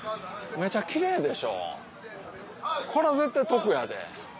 めちゃキレイでしょ？こら絶対得やで。